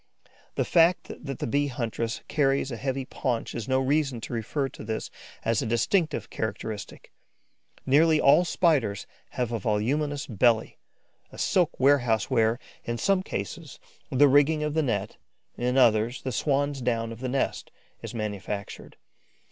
The fact that the Bee huntress carries a heavy paunch is no reason to refer to this as a distinctive characteristic. Nearly all Spiders have a voluminous belly, a silk warehouse where, in some cases, the rigging of the net, in others, the swan's down of the nest is manufactured.